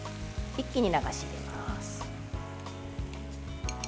一気に流し入れます。